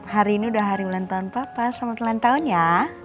hari ini udah hari ulang tahun papa selamat ulang tahun ya